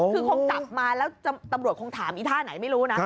คือคงกลับมาแล้วตำรวจคงถามอีท่าไหนไม่รู้นะ